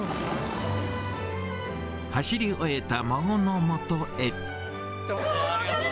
走り終えた孫のもとへ。